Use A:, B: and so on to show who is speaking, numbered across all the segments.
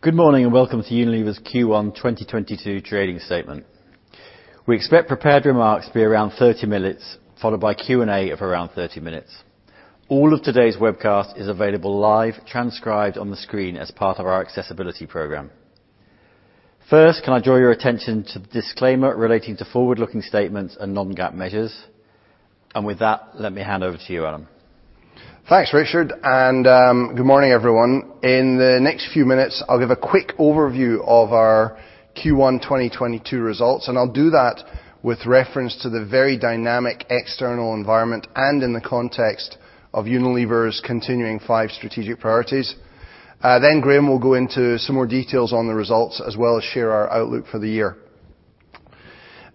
A: Good morning and welcome to Unilever's Q1 2022 Trading Statement. We expect prepared remarks to be around 30 minutes, followed by Q&A of around 30 minutes. All of today's webcast is available live, transcribed on the screen as part of our accessibility program. First, can I draw your attention to the disclaimer relating to forward-looking statements and non-GAAP measures. With that, let me hand over to you, Alan.
B: Thanks, Richard, and good morning, everyone. In the next few minutes, I'll give a quick overview of our Q1 2022 results, and I'll do that with reference to the very dynamic external environment and in the context of Unilever's continuing five strategic priorities. Then Graeme will go into some more details on the results, as well as share our outlook for the year.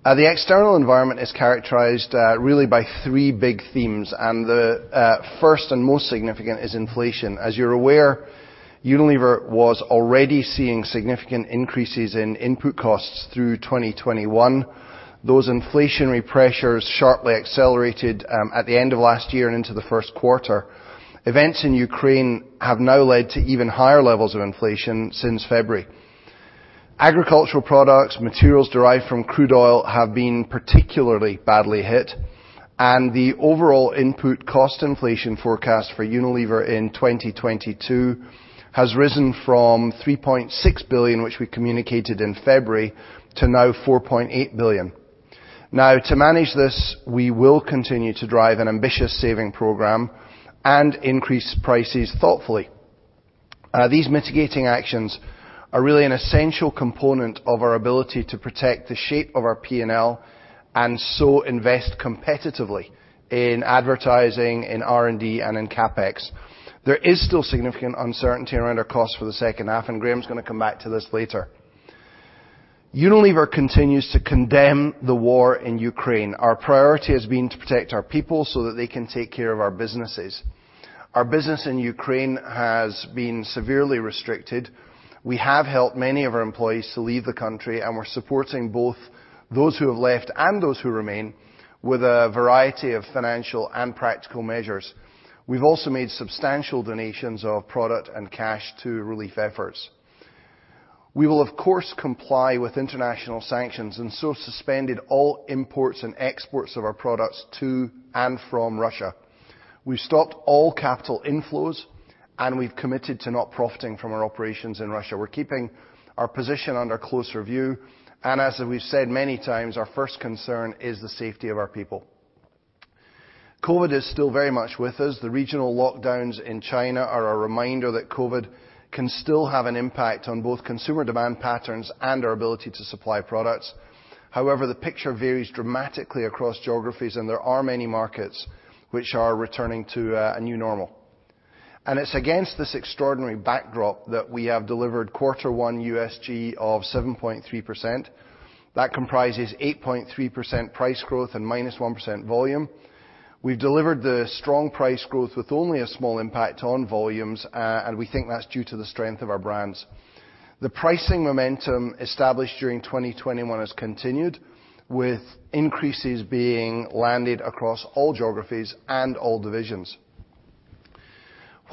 B: The external environment is characterized really by three big themes, and the first and most significant is inflation. As you're aware, Unilever was already seeing significant increases in input costs through 2021. Those inflationary pressures sharply accelerated at the end of last year and into the first quarter. Events in Ukraine have now led to even higher levels of inflation since February. Agricultural products, materials derived from crude oil have been particularly badly hit, and the overall input cost inflation forecast for Unilever in 2022 has risen from 3.6 billion, which we communicated in February, to now 4.8 billion. Now, to manage this, we will continue to drive an ambitious saving program and increase prices thoughtfully. These mitigating actions are really an essential component of our ability to protect the shape of our P&L and so invest competitively in advertising, in R&D, and in CapEx. There is still significant uncertainty around our costs for the second half, and Graeme's going to come back to this later. Unilever continues to condemn the war in Ukraine. Our priority has been to protect our people so that they can take care of our businesses. Our business in Ukraine has been severely restricted. We have helped many of our employees to leave the country, and we're supporting both those who have left and those who remain with a variety of financial and practical measures. We've also made substantial donations of product and cash to relief efforts. We will of course comply with international sanctions and so suspended all imports and exports of our products to and from Russia. We've stopped all capital inflows, and we've committed to not profiting from our operations in Russia. We're keeping our position under close review, and as we've said many times, our first concern is the safety of our people. COVID is still very much with us. The regional lockdowns in China are a reminder that COVID can still have an impact on both consumer demand patterns and our ability to supply products. However, the picture varies dramatically across geographies, and there are many markets which are returning to a new normal. It's against this extraordinary backdrop that we have delivered quarter one USG of 7.3%. That comprises 8.3% price growth and -1% volume. We've delivered the strong price growth with only a small impact on volumes, and we think that's due to the strength of our brands. The pricing momentum established during 2021 has continued with increases being landed across all geographies and all divisions.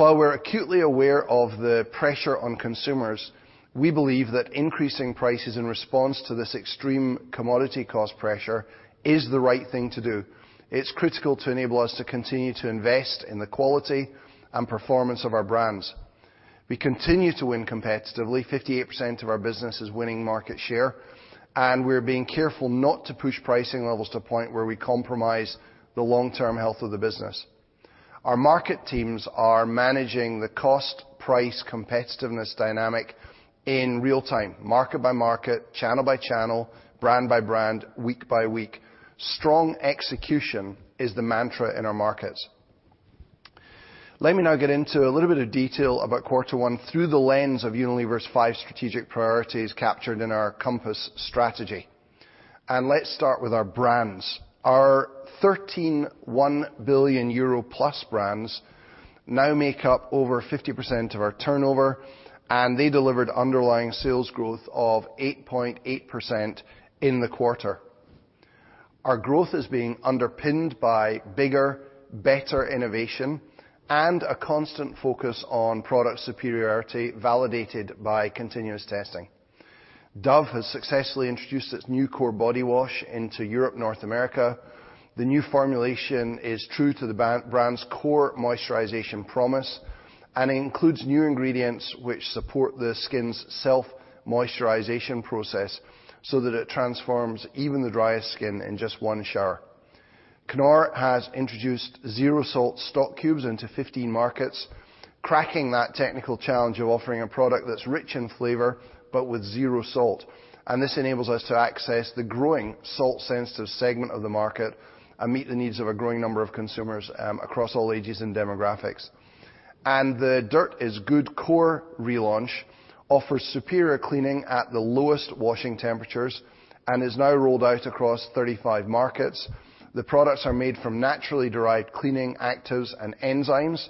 B: While we're acutely aware of the pressure on consumers, we believe that increasing prices in response to this extreme commodity cost pressure is the right thing to do. It's critical to enable us to continue to invest in the quality and performance of our brands. We continue to win competitively, 58% of our business is winning market share, and we're being careful not to push pricing levels to a point where we compromise the long-term health of the business. Our market teams are managing the cost, price, competitiveness dynamic in real time, market by market, channel by channel, brand by brand, week by week. Strong execution is the mantra in our markets. Let me now get into a little bit of detail about quarter one through the lens of Unilever's five strategic priorities captured in our compass strategy. Let's start with our brands. Our 13 1 billion euro-plus brands now make up over 50% of our turnover, and they delivered underlying sales growth of 8.8% in the quarter. Our growth is being underpinned by bigger, better innovation and a constant focus on product superiority validated by continuous testing. Dove has successfully introduced its new core body wash into Europe, North America. The new formulation is true to the brand's core moisturization promise, and it includes new ingredients which support the skin's self-moisturization process so that it transforms even the driest skin in just one shower. Knorr has introduced Zero Salt stock cubes into 15 markets, cracking that technical challenge of offering a product that's rich in flavor but with zero salt. This enables us to access the growing salt sensitive segment of the market and meet the needs of a growing number of consumers across all ages and demographics. The Dirt Is Good core relaunch offers superior cleaning at the lowest washing temperatures and is now rolled out across 35 markets. The products are made from naturally derived cleaning actives and enzymes.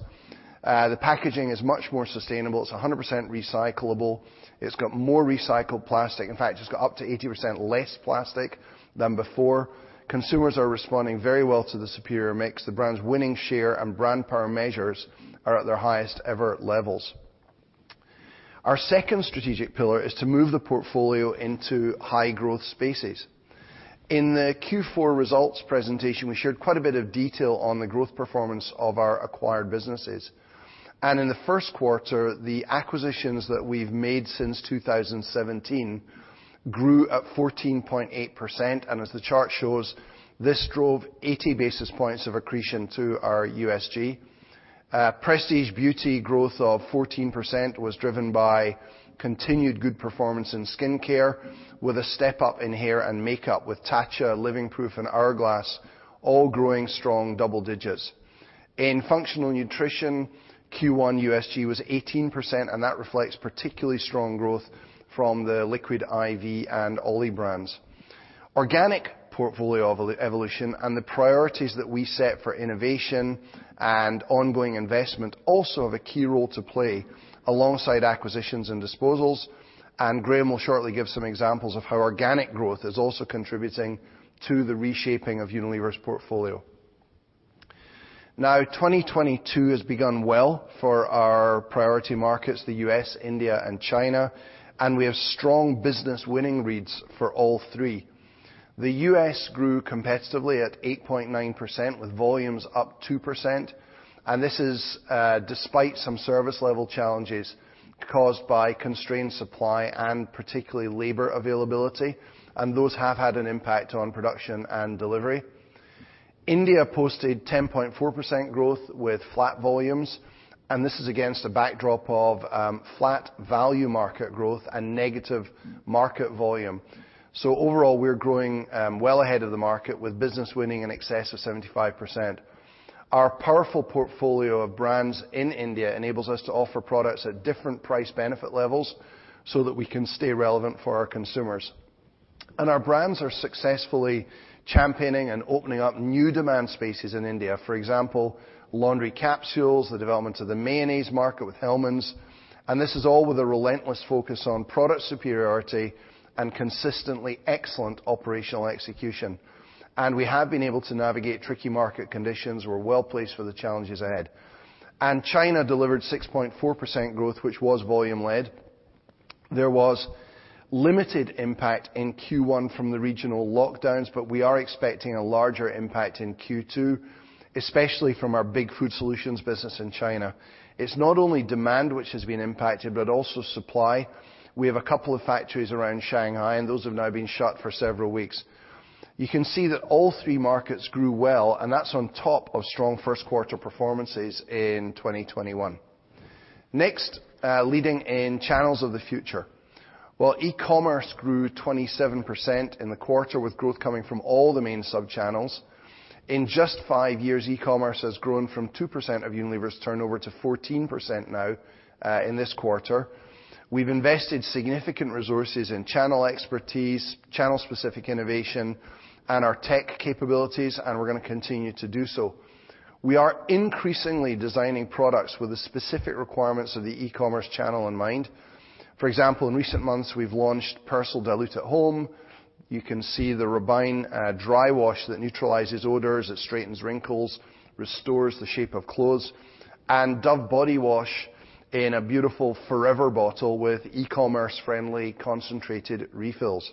B: The packaging is much more sustainable. It's 100% recyclable. It's got more recycled plastic. In fact, it's got up to 80% less plastic than before. Consumers are responding very well to the superior mix. The brand's winning share and brand power measures are at their highest ever levels. Our second strategic pillar is to move the portfolio into high-growth spaces. In the Q4 results presentation, we shared quite a bit of detail on the growth performance of our acquired businesses. In the first quarter, the acquisitions that we've made since 2017 grew at 14.8%, and as the chart shows, this drove 80 basis points of accretion to our USG. Prestige Beauty growth of 14% was driven by continued good performance in skincare with a step up in hair and makeup with Tatcha, Living Proof, and Hourglass all growing strong double digits. In Functional Nutrition, Q1 USG was 18%, and that reflects particularly strong growth from the Liquid I.V. and OLLY brands. Organic portfolio evolution and the priorities that we set for innovation and ongoing investment also have a key role to play alongside acquisitions and disposals, and Graeme will shortly give some examples of how organic growth is also contributing to the reshaping of Unilever's portfolio. Now, 2022 has begun well for our priority markets, the U.S., India, and China, and we have strong business winning reads for all three. The U.S. grew competitively at 8.9% with volumes up 2%, and this is despite some service level challenges caused by constrained supply and particularly labor availability, and those have had an impact on production and delivery. India posted 10.4% growth with flat volumes, and this is against a backdrop of flat value market growth and negative market volume. Overall, we're growing well ahead of the market with business winning in excess of 75%. Our powerful portfolio of brands in India enables us to offer products at different price benefit levels so that we can stay relevant for our consumers. Our brands are successfully championing and opening up new demand spaces in India. For example, laundry capsules, the development of the mayonnaise market with Hellmann's, and this is all with a relentless focus on product superiority and consistently excellent operational execution. We have been able to navigate tricky market conditions. We're well placed for the challenges ahead. China delivered 6.4% growth, which was volume led. There was limited impact in Q1 from the regional lockdowns, but we are expecting a larger impact in Q2, especially from our big food solutions business in China. It's not only demand which has been impacted, but also supply. We have a couple of factories around Shanghai, and those have now been shut for several weeks. You can see that all three markets grew well, and that's on top of strong first quarter performances in 2021. Next, leading in channels of the future. Well, e-commerce grew 27% in the quarter with growth coming from all the main sub-channels. In just five years, e-commerce has grown from 2% of Unilever's turnover to 14% now, in this quarter. We've invested significant resources in channel expertise, channel-specific innovation, and our tech capabilities, and we're going to continue to do so. We are increasingly designing products with the specific requirements of the e-commerce channel in mind. For example, in recent months, we've launched Persil Dilute at Home. You can see the Robijn Dry Wash that neutralizes odors, it straightens wrinkles, restores the shape of clothes, and Dove body wash in a beautiful forever bottle with e-commerce friendly concentrated refills.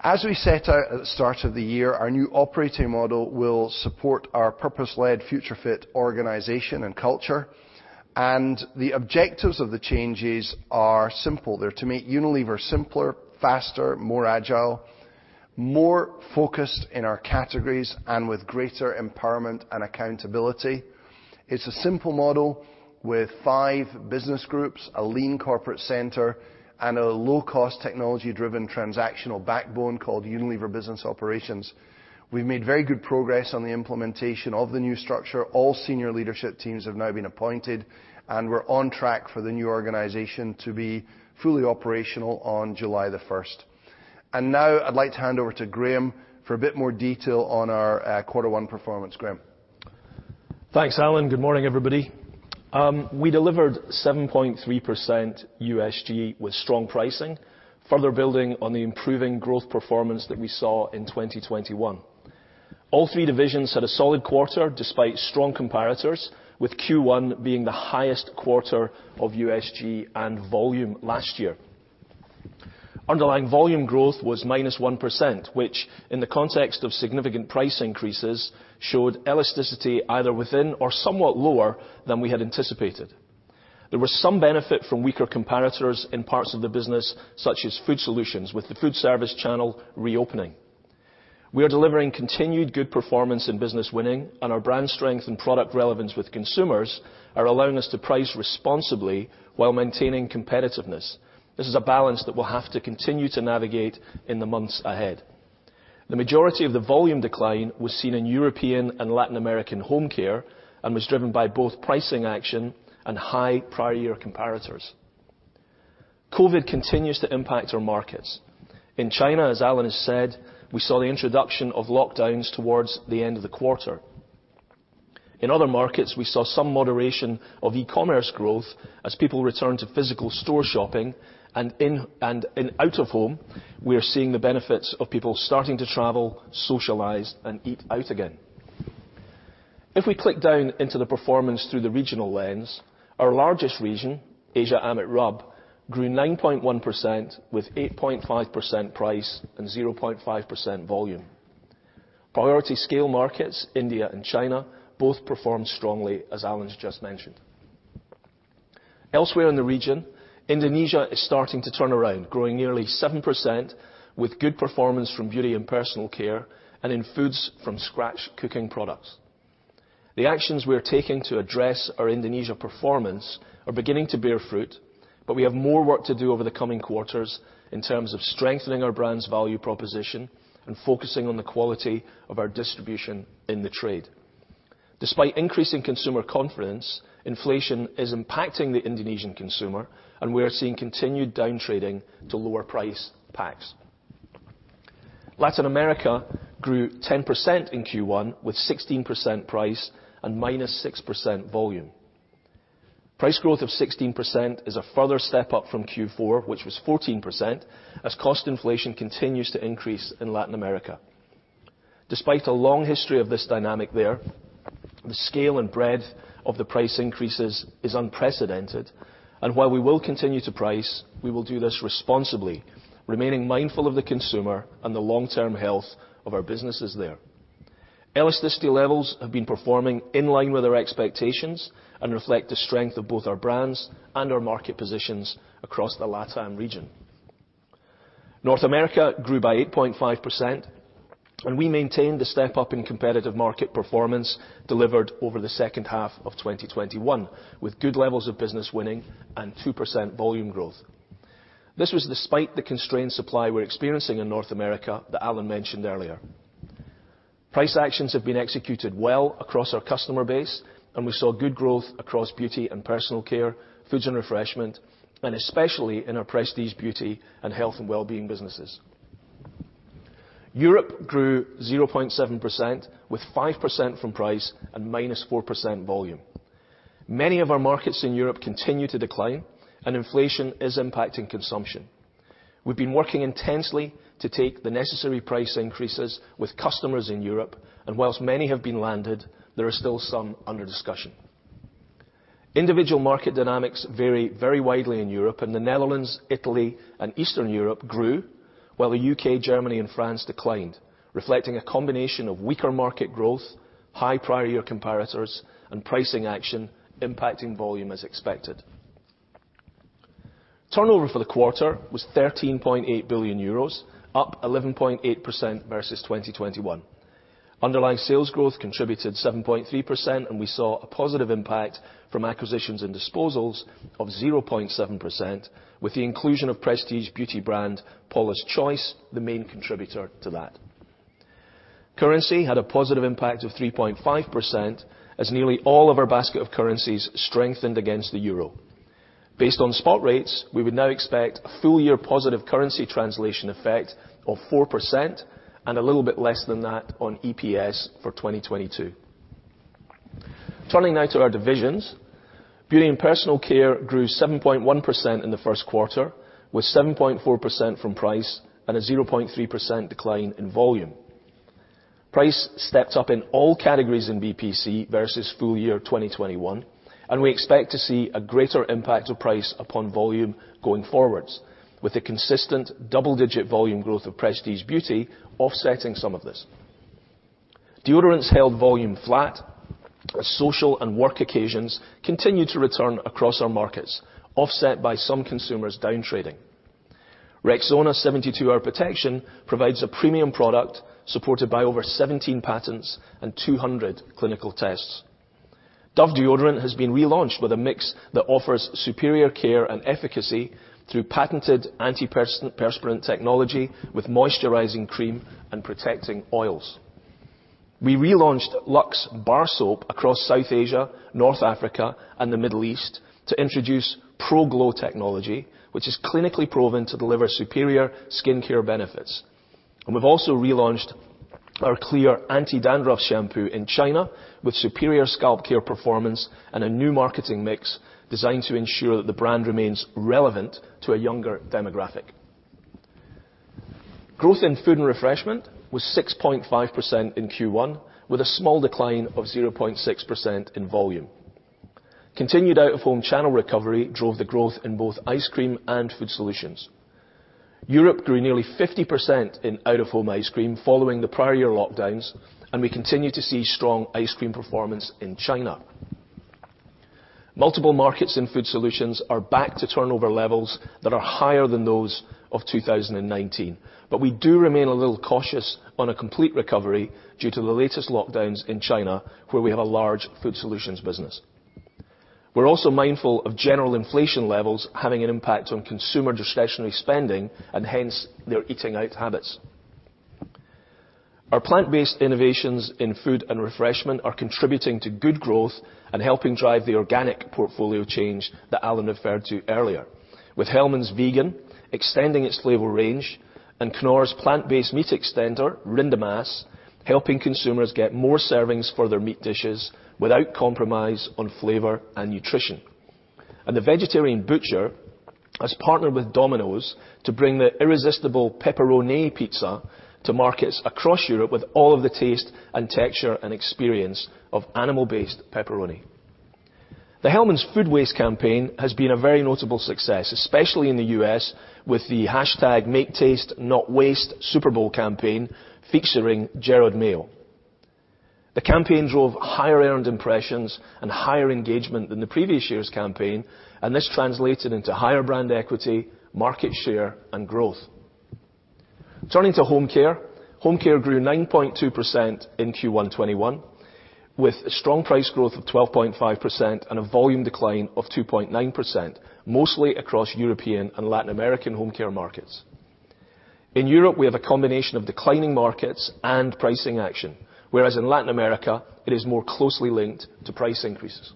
B: As we set out at the start of the year, our new operating model will support our purpose-led future fit organization and culture, and the objectives of the changes are simple. They're to make Unilever simpler, faster, more agile, more focused in our categories, and with greater empowerment and accountability. It's a simple model with five business groups, a lean corporate center, and a low-cost technology-driven transactional backbone called Unilever Business Operations. We've made very good progress on the implementation of the new structure. All senior leadership teams have now been appointed, and we're on track for the new organization to be fully operational on July 1st. Now I'd like to hand over to Graeme for a bit more detail on our quarter one performance. Graeme?
C: Thanks, Alan. Good morning, everybody. We delivered 7.3% USG with strong pricing, further building on the improving growth performance that we saw in 2021. All three divisions had a solid quarter despite strong comparators, with Q1 being the highest quarter of USG and volume last year. Underlying volume growth was -1%, which, in the context of significant price increases, showed elasticity either within or somewhat lower than we had anticipated. There was some benefit from weaker comparators in parts of the business such as food solutions with the food service channel reopening. We are delivering continued good performance in business winning, and our brand strength and product relevance with consumers are allowing us to price responsibly while maintaining competitiveness. This is a balance that we'll have to continue to navigate in the months ahead. The majority of the volume decline was seen in European and Latin American home care and was driven by both pricing action and high prior year comparators. COVID continues to impact our markets. In China, as Alan has said, we saw the introduction of lockdowns towards the end of the quarter. In other markets, we saw some moderation of e-commerce growth as people return to physical store shopping, and in out of home, we are seeing the benefits of people starting to travel, socialize, and eat out again. If we click down into the performance through the regional lens, our largest region, Asia/AMET/RUB, grew 9.1% with 8.5% price and 0.5% volume. Priority scale markets, India and China, both performed strongly as Alan's just mentioned. Elsewhere in the region, Indonesia is starting to turn around, growing nearly 7% with good performance from beauty and personal care, and in foods from scratch cooking products. The actions we are taking to address our Indonesia performance are beginning to bear fruit, but we have more work to do over the coming quarters in terms of strengthening our brand's value proposition and focusing on the quality of our distribution in the trade. Despite increasing consumer confidence, inflation is impacting the Indonesian consumer, and we are seeing continued down trading to lower price packs. Latin America grew 10% in Q1 with 16% price and -6% volume. Price growth of 16% is a further step up from Q4, which was 14%, as cost inflation continues to increase in Latin America. Despite a long history of this dynamic there, the scale and breadth of the price increases is unprecedented. While we will continue to price, we will do this responsibly, remaining mindful of the consumer and the long-term health of our businesses there. Elasticity levels have been performing in line with our expectations and reflect the strength of both our brands and our market positions across the LatAm region. North America grew by 8.5%, and we maintained the step up in competitive market performance delivered over the second half of 2021, with good levels of business winning and 2% volume growth. This was despite the constrained supply we're experiencing in North America that Alan mentioned earlier. Price actions have been executed well across our customer base, and we saw good growth across beauty and personal care, foods and refreshment, and especially in our Prestige Beauty and health and well-being businesses. Europe grew 0.7% with 5% from price and -4% volume. Many of our markets in Europe continue to decline and inflation is impacting consumption. We've been working intensely to take the necessary price increases with customers in Europe, and whilst many have been landed, there are still some under discussion. Individual market dynamics vary very widely in Europe, and the Netherlands, Italy, and Eastern Europe grew while the U.K., Germany, and France declined, reflecting a combination of weaker market growth, high prior year comparators, and pricing action impacting volume as expected. Turnover for the quarter was 13.8 billion euros, up 11.8% versus 2021. Underlying sales growth contributed 7.3%, and we saw a positive impact from acquisitions and disposals of 0.7% with the inclusion of Prestige Beauty brand Paula's Choice, the main contributor to that. Currency had a positive impact of 3.5% as nearly all of our basket of currencies strengthened against the euro. Based on spot rates, we would now expect a full year positive currency translation effect of 4% and a little bit less than that on EPS for 2022. Turning now to our divisions. Beauty and personal care grew 7.1% in the first quarter, with 7.4% from price and a 0.3% decline in volume. Price stepped up in all categories in BPC versus full year 2021, and we expect to see a greater impact of price upon volume going forwards with a consistent double-digit volume growth of Prestige Beauty offsetting some of this. Deodorants held volume flat as social and work occasions continue to return across our markets, offset by some consumers down trading. Rexona 72-hour protection provides a premium product supported by over 17 patents and 200 clinical tests. Dove deodorant has been relaunched with a mix that offers superior care and efficacy through patented antiperspirant, perspirant technology with moisturizing cream and protecting oils. We relaunched LUX bar soap across South Asia, North Africa, and the Middle East to introduce ProGlow technology, which is clinically proven to deliver superior skincare benefits. We've also relaunched our CLEAR Anti-Dandruff shampoo in China with superior scalp care performance and a new marketing mix designed to ensure that the brand remains relevant to a younger demographic. Growth in food and refreshment was 6.5% in Q1, with a small decline of 0.6% in volume. Continued out-of-home channel recovery drove the growth in both ice cream and Food Solutions. Europe grew nearly 50% in out-of-home ice cream following the prior year lockdowns, and we continue to see strong ice cream performance in China. Multiple markets and Food Solutions are back to turnover levels that are higher than those of 2019, but we do remain a little cautious on a complete recovery due to the latest lockdowns in China, where we have a large Food Solutions business. We're also mindful of general inflation levels having an impact on consumer discretionary spending and hence their eating out habits. Our plant-based innovations in food and refreshment are contributing to good growth and helping drive the organic portfolio change that Alan referred to earlier, with Hellmann's Vegan extending its flavor range and Knorr's plant-based meat extender, Rinder Hack, helping consumers get more servings for their meat dishes without compromise on flavor and nutrition. The Vegetarian Butcher has partnered with Domino's to bring the irresistible pepperoni pizza to markets across Europe with all of the taste and texture and experience of animal-based pepperoni. The Hellmann's food waste campaign has been a very notable success, especially in the U.S. with the hashtag MakeTasteNotWaste Super Bowl campaign featuring Jerod Mayo. The campaign drove higher earned impressions and higher engagement than the previous year's campaign, and this translated into higher brand equity, market share, and growth. Turning to Home Care, Home Care grew 9.2% in Q1 2021, with strong price growth of 12.5% and a volume decline of 2.9%, mostly across European and Latin American home care markets. In Europe, we have a combination of declining markets and pricing action, whereas in Latin America, it is more closely linked to price increases.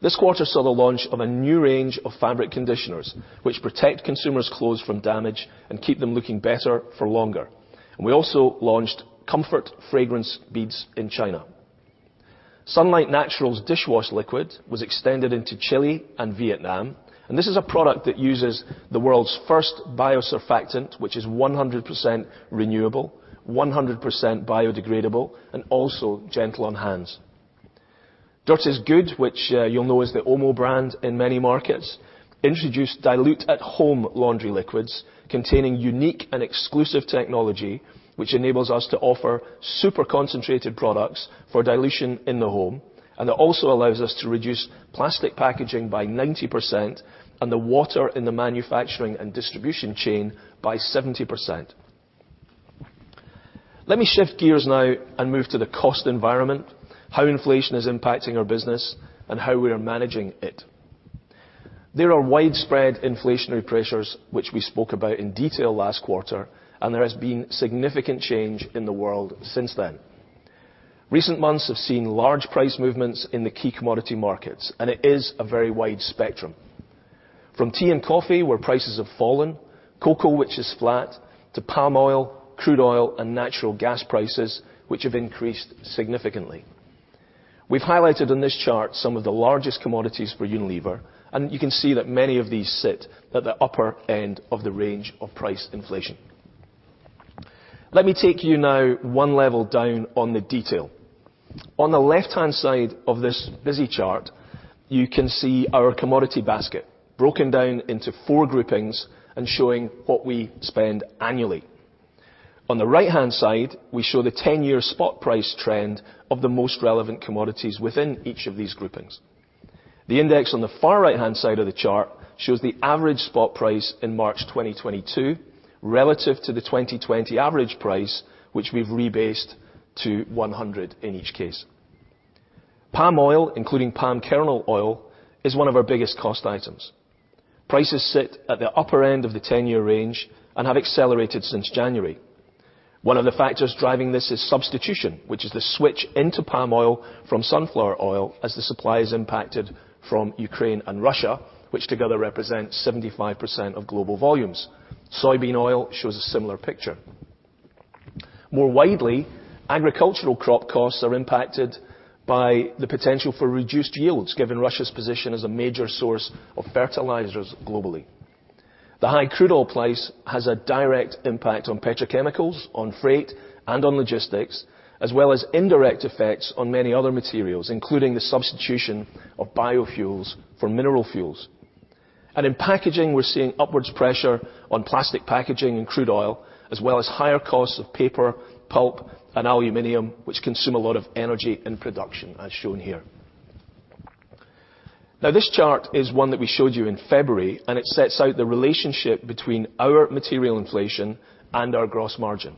C: This quarter saw the launch of a new range of fabric conditioners, which protect consumers' clothes from damage and keep them looking better for longer. We also launched Comfort fragrance beads in China. Sunlight Natural Dishwash Liquid was extended into Chile and Vietnam, and this is a product that uses the world's first biosurfactant, which is 100% renewable, 100% biodegradable, and also gentle on hands. Dirt Is Good, which you'll know is the OMO brand in many markets, introduced dilute-at-home laundry liquids containing unique and exclusive technology, which enables us to offer super concentrated products for dilution in the home, and it also allows us to reduce plastic packaging by 90%, and the water in the manufacturing and distribution chain by 70%. Let me shift gears now and move to the cost environment, how inflation is impacting our business, and how we are managing it. There are widespread inflationary pressures which we spoke about in detail last quarter, and there has been significant change in the world since then. Recent months have seen large price movements in the key commodity markets, and it is a very wide spectrum. From tea and coffee, where prices have fallen, cocoa, which is flat, to palm oil, crude oil, and natural gas prices, which have increased significantly. We've highlighted on this chart some of the largest commodities for Unilever, and you can see that many of these sit at the upper end of the range of price inflation. Let me take you now one level down on the detail. On the left-hand side of this busy chart, you can see our commodity basket broken down into four groupings and showing what we spend annually. On the right-hand side, we show the 10-year spot price trend of the most relevant commodities within each of these groupings. The index on the far right-hand side of the chart shows the average spot price in March 2022 relative to the 2020 average price, which we've rebased to 100 in each case. Palm oil, including palm kernel oil, is one of our biggest cost items. Prices sit at the upper end of the 10-year range and have accelerated since January. One of the factors driving this is substitution, which is the switch into palm oil from sunflower oil as the supply is impacted from Ukraine and Russia, which together represent 75% of global volumes. Soybean oil shows a similar picture. More widely, agricultural crop costs are impacted by the potential for reduced yields, given Russia's position as a major source of fertilizers globally. The high crude oil price has a direct impact on petrochemicals, on freight, and on logistics, as well as indirect effects on many other materials, including the substitution of biofuels for mineral fuels. In packaging, we're seeing upwards pressure on plastic packaging and crude oil, as well as higher costs of paper, pulp, and aluminum, which consume a lot of energy in production, as shown here. Now this chart is one that we showed you in February, and it sets out the relationship between our material inflation and our gross margin.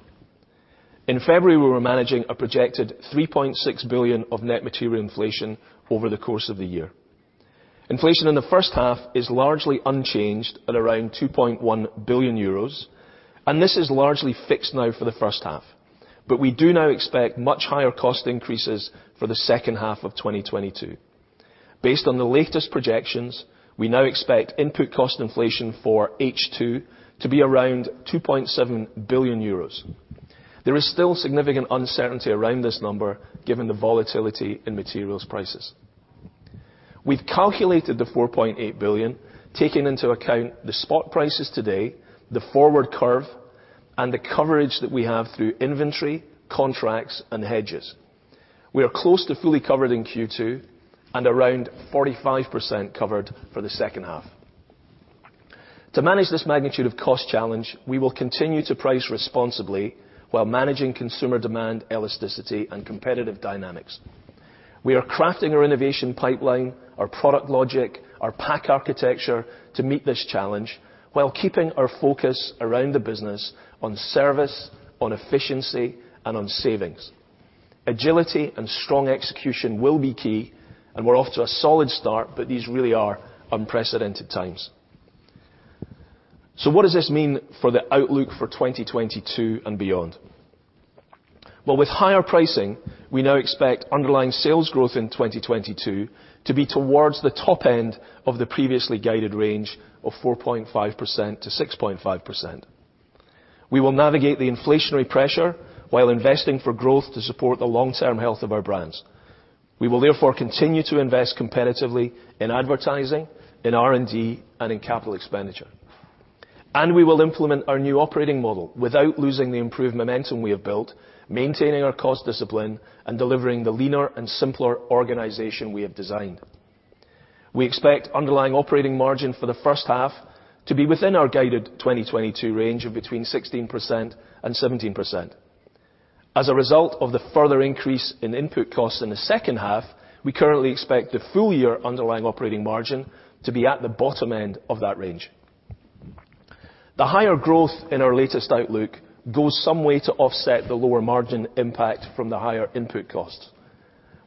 C: In February, we were managing a projected 3.6 billion of net material inflation over the course of the year. Inflation in the first half is largely unchanged at around 2.1 billion euros, and this is largely fixed now for the first half. We do now expect much higher cost increases for the second half of 2022. Based on the latest projections, we now expect input cost inflation for H2 to be around 2.7 billion euros. There is still significant uncertainty around this number given the volatility in materials prices. We've calculated the 4.8 billion, taking into account the spot prices today, the forward curve, and the coverage that we have through inventory, contracts, and hedges. We are close to fully covered in Q2 and around 45% covered for the second half. To manage this magnitude of cost challenge, we will continue to price responsibly while managing consumer demand elasticity and competitive dynamics. We are crafting our innovation pipeline, our product logic, our pack architecture to meet this challenge while keeping our focus around the business on service, on efficiency, and on savings. Agility and strong execution will be key, and we're off to a solid start, but these really are unprecedented times. What does this mean for the outlook for 2022 and beyond? Well, with higher pricing, we now expect underlying sales growth in 2022 to be towards the top end of the previously guided range of 4.5%-6.5%. We will navigate the inflationary pressure while investing for growth to support the long-term health of our brands. We will therefore continue to invest competitively in advertising, in R&D, and in capital expenditure. We will implement our new operating model without losing the improved momentum we have built, maintaining our cost discipline, and delivering the leaner and simpler organization we have designed. We expect underlying operating margin for the first half to be within our guided 2022 range of between 16% and 17%. As a result of the further increase in input costs in the second half, we currently expect the full year underlying operating margin to be at the bottom end of that range. The higher growth in our latest outlook goes some way to offset the lower margin impact from the higher input costs.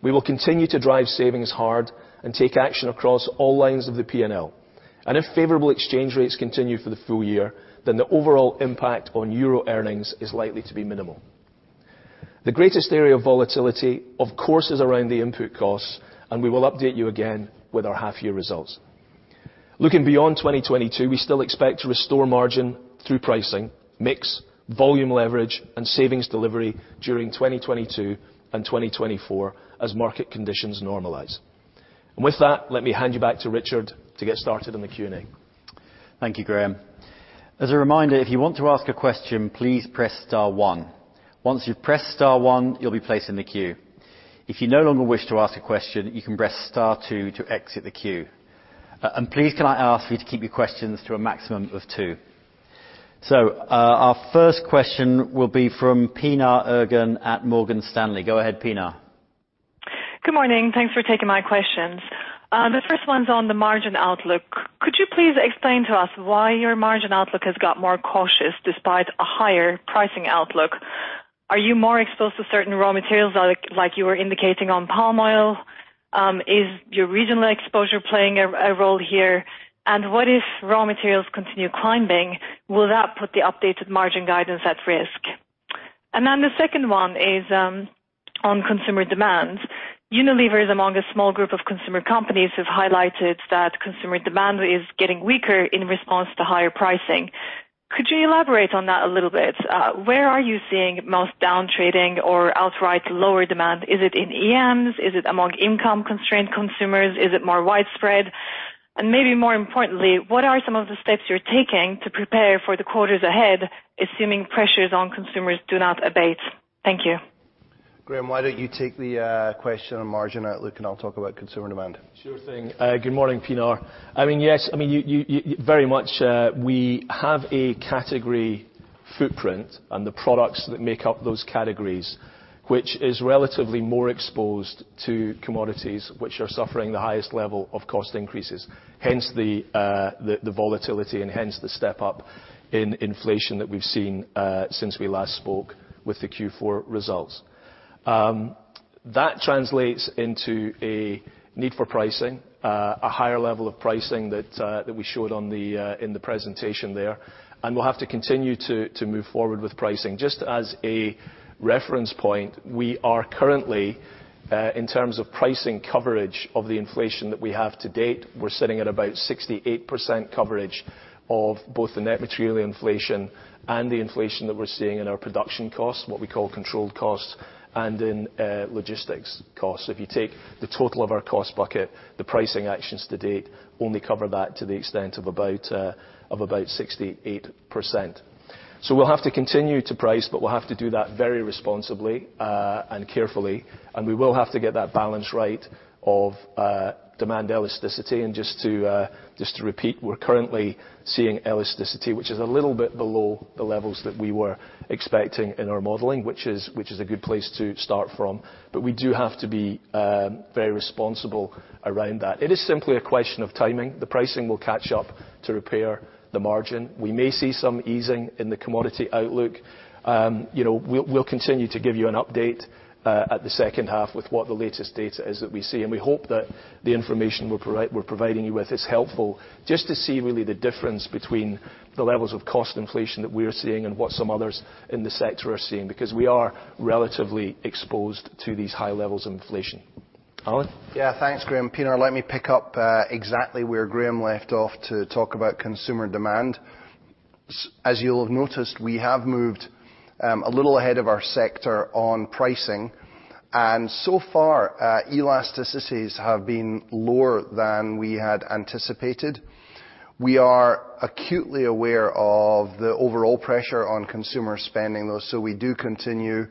C: We will continue to drive savings hard and take action across all lines of the P&L. If favorable exchange rates continue for the full year, then the overall impact on euro earnings is likely to be minimal. The greatest area of volatility, of course, is around the input costs, and we will update you again with our half year results. Looking beyond 2022, we still expect to restore margin through pricing, mix, volume leverage, and savings delivery during 2022 and 2024 as market conditions normalize. With that, let me hand you back to Richard to get started on the Q&A.
A: Thank you, Graeme. As a reminder, if you want to ask a question, please press star one. Once you've pressed star one, you'll be placed in the queue. If you no longer wish to ask a question, you can press star two to exit the queue. Please, can I ask you to keep your questions to a maximum of two. Our first question will be from Pinar Ergun at Morgan Stanley. Go ahead, Pinar.
D: Good morning. Thanks for taking my questions. The first one's on the margin outlook. Could you please explain to us why your margin outlook has got more cautious despite a higher pricing outlook? Are you more exposed to certain raw materials like you were indicating on palm oil? Is your regional exposure playing a role here? And what if raw materials continue climbing? Will that put the updated margin guidance at risk? And then the second one is on consumer demand. Unilever is among a small group of consumer companies who've highlighted that consumer demand is getting weaker in response to higher pricing. Could you elaborate on that a little bit? Where are you seeing most down trading or outright lower demand? Is it in EMs? Is it among income-constrained consumers? Is it more widespread? Maybe more importantly, what are some of the steps you're taking to prepare for the quarters ahead, assuming pressures on consumers do not abate? Thank you.
B: Graeme, why don't you take the question on margin outlook, and I'll talk about consumer demand.
C: Sure thing. Good morning, Pinar. Yes, I mean, you very much, we have a category footprint and the products that make up those categories, which is relatively more exposed to commodities which are suffering the highest level of cost increases, hence the volatility and hence the step up in inflation that we've seen since we last spoke with the Q4 results. That translates into a need for pricing, a higher level of pricing that we showed in the presentation there, and we'll have to continue to move forward with pricing. Just as a reference point, we are currently in terms of pricing coverage of the inflation that we have to date, we're sitting at about 68% coverage of both the net material inflation and the inflation that we're seeing in our production costs, what we call controlled costs, and in logistics costs. If you take the total of our cost bucket, the pricing actions to date only cover that to the extent of about 68%. We'll have to continue to price, but we'll have to do that very responsibly and carefully, and we will have to get that balance right of demand elasticity. Just to repeat, we're currently seeing elasticity, which is a little bit below the levels that we were expecting in our modeling, which is a good place to start from. We do have to be very responsible around that. It is simply a question of timing. The pricing will catch up to repair the margin. We may see some easing in the commodity outlook. You know, we'll continue to give you an update at the second half with what the latest data is that we see, and we hope that the information we're providing you with is helpful just to see really the difference between the levels of cost inflation that we're seeing and what some others in the sector are seeing, because we are relatively exposed to these high levels of inflation. Alan?
B: Yeah. Thanks, Graeme. Pinar, let me pick up exactly where Graeme left off to talk about consumer demand. As you'll have noticed, we have moved a little ahead of our sector on pricing, and so far, elasticities have been lower than we had anticipated. We are acutely aware of the overall pressure on consumer spending, though, so we do continue.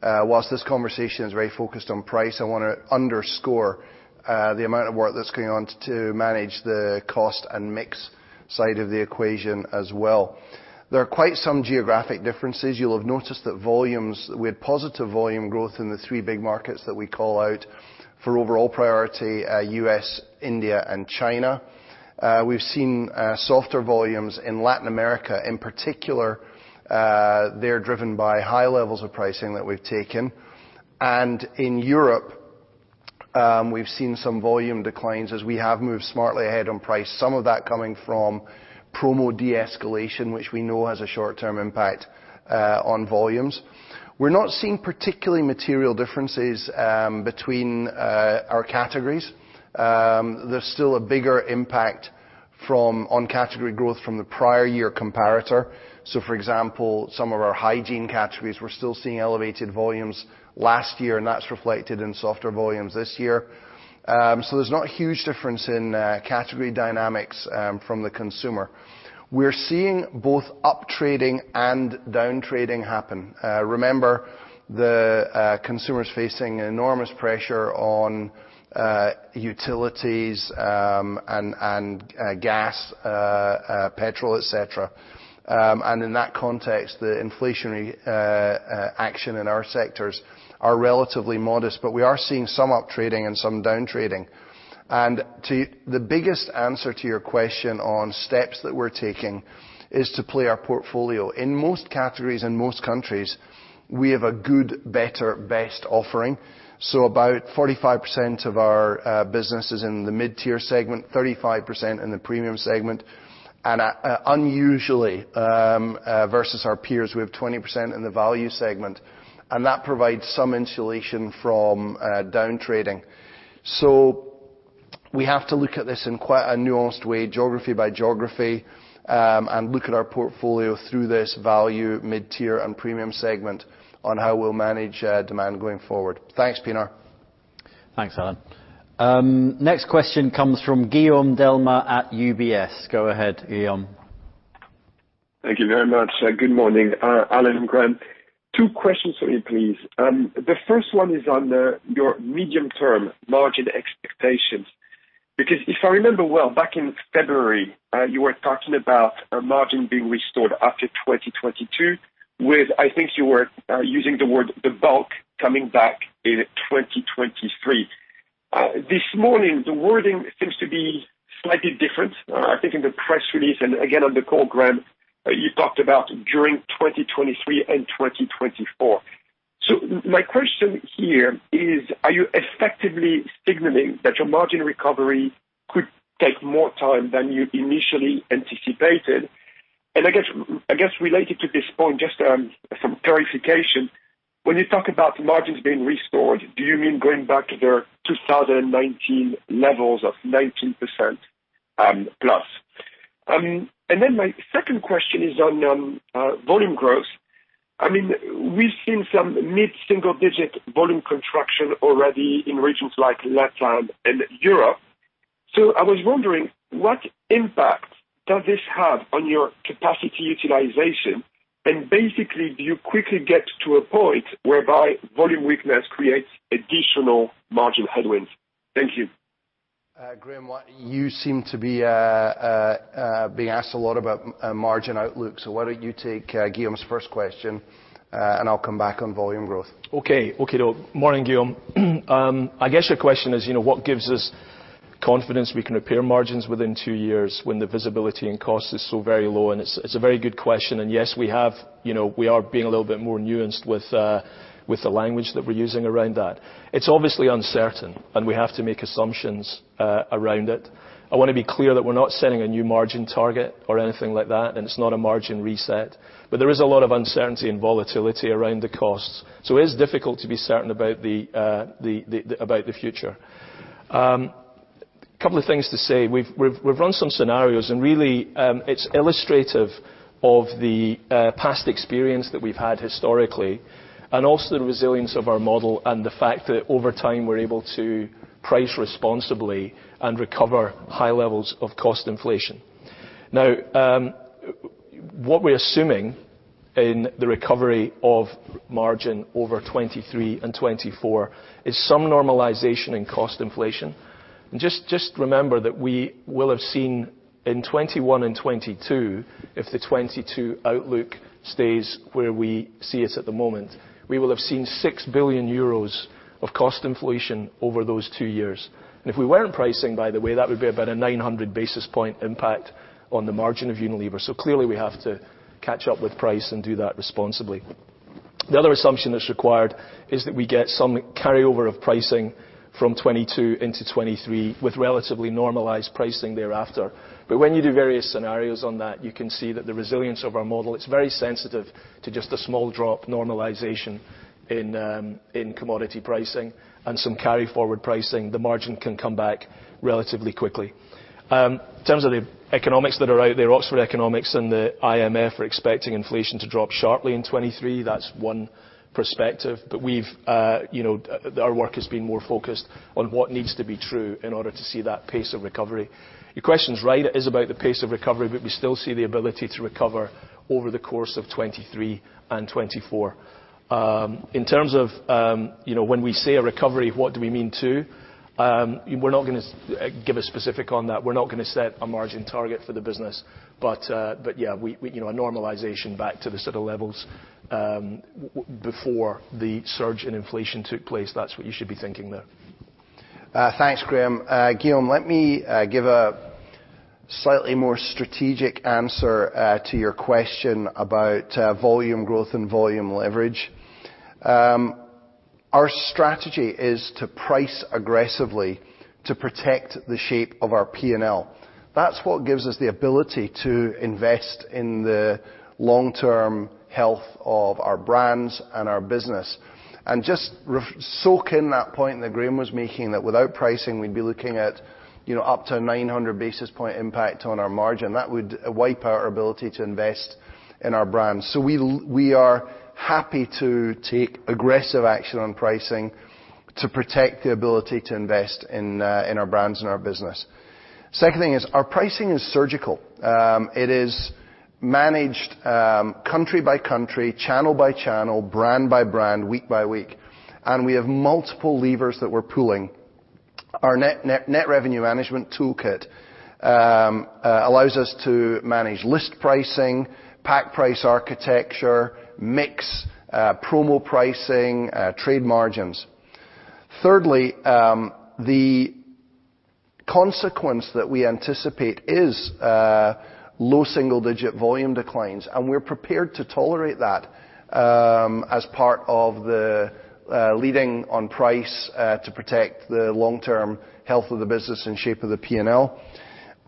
B: While this conversation is very focused on price, I wanna underscore the amount of work that's going on to manage the cost and mix side of the equation as well. There are quite some geographic differences. You'll have noticed that volumes we had positive volume growth in the three big markets that we call out for overall priority, U.S., India, and China. We've seen softer volumes in Latin America. In particular, they're driven by high levels of pricing that we've taken. In Europe, we've seen some volume declines as we have moved smartly ahead on price, some of that coming from promo de-escalation, which we know has a short-term impact on volumes. We're not seeing particularly material differences between our categories. There's still a bigger impact from the prior year comparator on category growth. For example, some of our hygiene categories, we're still seeing elevated volumes last year, and that's reflected in softer volumes this year. There's not huge difference in category dynamics from the consumer. We're seeing both up trading and down trading happen. Remember the consumers facing enormous pressure on utilities and gas, petrol, et cetera. In that context, the inflationary action in our sectors are relatively modest, but we are seeing some up trading and some down trading. The biggest answer to your question on steps that we're taking is to play our portfolio. In most categories, in most countries, we have a good, better, best offering. About 45% of our business is in the mid-tier segment, 35% in the premium segment, and unusually, versus our peers, we have 20% in the value segment, and that provides some insulation from down trading. We have to look at this in quite a nuanced way, geography by geography, and look at our portfolio through this value mid-tier and premium segment on how we'll manage demand going forward. Thanks, Pinar.
A: Thanks, Alan. Next question comes from Guillaume Delmas at UBS. Go ahead, Guillaume.
E: Thank you very much. Good morning, Alan and Graeme. Two questions for you, please. The first one is on your medium-term margin expectations. Because if I remember well, back in February, you were talking about a margin being restored after 2022 with, I think you were using the word the bulk coming back in 2023. This morning, the wording seems to be slightly different, I think in the press release and again on the call, Graeme, you talked about during 2023 and 2024. My question here is, are you effectively signaling that your margin recovery could take more time than you initially anticipated? And I guess related to this point, just some clarification. When you talk about margins being restored, do you mean going back to the 2019 levels of 19%, plus? My second question is on volume growth. I mean, we've seen some mid-single-digit volume contraction already in regions like LatAm and Europe. I was wondering what impact does this have on your capacity utilization? Basically, do you quickly get to a point whereby volume weakness creates additional margin headwinds? Thank you.
B: Graeme, you seem to be being asked a lot about margin outlook, so why don't you take Guillaume's first question, and I'll come back on volume growth.
C: Morning, Guillaume. I guess your question is, you know, what gives us confidence we can repair margins within two years when the visibility and cost is so very low, and it's a very good question. Yes, we have, you know, we are being a little bit more nuanced with the language that we're using around that. It's obviously uncertain, and we have to make assumptions around it. I want to be clear that we're not setting a new margin target or anything like that, and it's not a margin reset. There is a lot of uncertainty and volatility around the costs. It's difficult to be certain about the future. A couple of things to say. We've run some scenarios and really, it's illustrative of the past experience that we've had historically and also the resilience of our model and the fact that over time, we're able to price responsibly and recover high levels of cost inflation. Now, what we're assuming in the recovery of margin over 2023 and 2024 is some normalization in cost inflation. Just remember that we will have seen in 2021 and 2022, if the 2022 outlook stays where we see it at the moment, we will have seen 6 billion euros of cost inflation over those two years. If we weren't pricing, by the way, that would be about a 900 basis point impact on the margin of Unilever. Clearly, we have to catch up with price and do that responsibly. The other assumption that's required is that we get some carryover of pricing from 2022 into 2023 with relatively normalized pricing thereafter. When you do various scenarios on that, you can see that the resilience of our model, it's very sensitive to just a small drop normalization in commodity pricing and some carry forward pricing. The margin can come back relatively quickly. In terms of the economics that are out there, Oxford Economics and the IMF are expecting inflation to drop sharply in 2023. That's one perspective. We've, you know, our work has been more focused on what needs to be true in order to see that pace of recovery. Your question is right. It is about the pace of recovery, but we still see the ability to recover over the course of 2023 and 2024. In terms of, you know, when we say a recovery, what do we mean too? We're not gonna give a specific on that. We're not gonna set a margin target for the business. Yeah, we you know, a normalization back to the sort of levels, before the surge in inflation took place. That's what you should be thinking there.
B: Thanks, Graeme. Guillaume, let me give a slightly more strategic answer to your question about volume growth and volume leverage. Our strategy is to price aggressively to protect the shape of our P&L. That's what gives us the ability to invest in the long-term health of our brands and our business. Just soak in that point that Graeme was making, that without pricing, we'd be looking at, you know, up to 900 basis points impact on our margin. That would wipe our ability to invest in our brand. We are happy to take aggressive action on pricing to protect the ability to invest in our brands and our business. Second thing is, our pricing is surgical. It is managed country by country, channel by channel, brand by brand, week by week. We have multiple levers that we're pooling. Our net, net revenue management toolkit allows us to manage list pricing, pack price architecture, mix, promo pricing, trade margins. Thirdly, the consequence that we anticipate is low single-digit volume declines, and we're prepared to tolerate that as part of the leading on price to protect the long-term health of the business and shape of the P&L.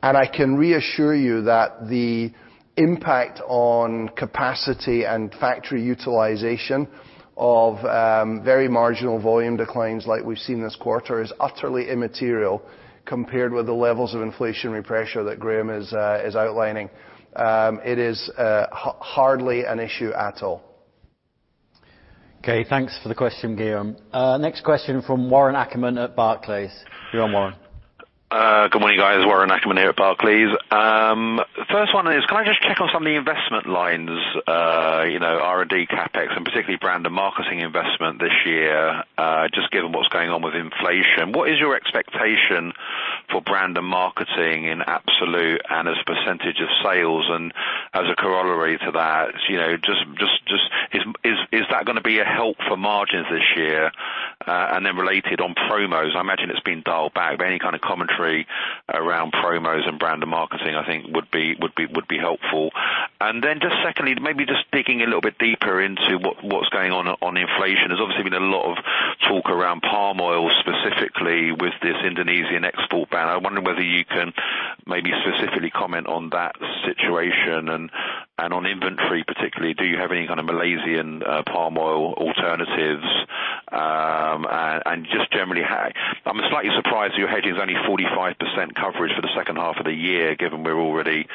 B: I can reassure you that the impact on capacity and factory utilization of very marginal volume declines like we've seen this quarter is utterly immaterial compared with the levels of inflationary pressure that Graeme is outlining. It is hardly an issue at all.
A: Okay, thanks for the question, Guillaume. Next question from Warren Ackerman at Barclays. Go on, Warren.
F: Good morning, guys. Warren Ackerman here at Barclays. First one is, can I just check on some of the investment lines, you know, R&D, CapEx, and particularly brand and marketing investment this year, just given what's going on with inflation. What is your expectation for brand and marketing in absolute and as percentage of sales? As a corollary to that, you know, just is that gonna be a help for margins this year? Then related on promos, I imagine it's been dialed back, but any kind of commentary around promos and brand and marketing, I think would be helpful. Just secondly, maybe just digging a little bit deeper into what's going on on inflation. There's obviously been a lot of talk around palm oil, specifically with this Indonesian export ban. I wonder whether you can maybe specifically comment on that situation and on inventory particularly. Do you have any kind of Malaysian palm oil alternatives? Just generally I'm slightly surprised your hedging is only 45% coverage for the second half of the year, given we're already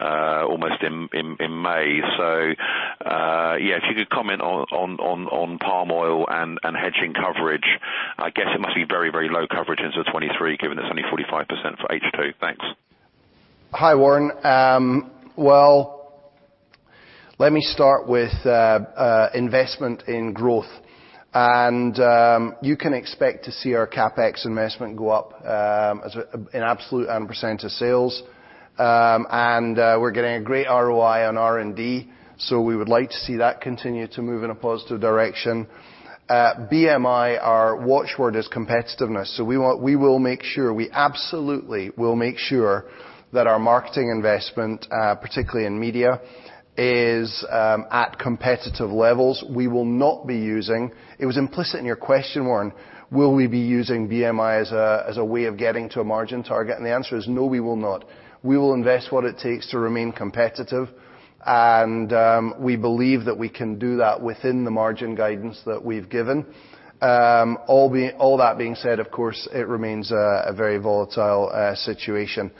F: almost in May. If you could comment on palm oil and hedging coverage. I guess it must be very low coverage into 2023, given it's only 45% for H2. Thanks.
B: Hi, Warren. Well, let me start with investment in growth. You can expect to see our CapEx investment go up as an absolute and percent of sales. We're getting a great ROI on R&D, so we would like to see that continue to move in a positive direction. BMI, our watchword is competitiveness. We absolutely will make sure that our marketing investment, particularly in media, is at competitive levels. We will not be using. It was implicit in your question, Warren, will we be using BMI as a way of getting to a margin target? The answer is no, we will not. We will invest what it takes to remain competitive, and we believe that we can do that within the margin guidance that we've given. All that being said, of course, it remains a very volatile situation.